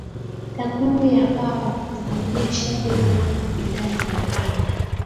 takwimu za fao zaonyesha bei ya bidhaa ilipanda